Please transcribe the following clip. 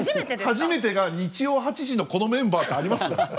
初めてが日曜８時のこのメンバーってあります？